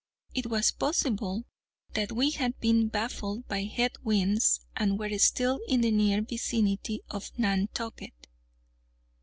It was possible that we had been baffled by head winds, and were still in the near vicinity of Nantucket.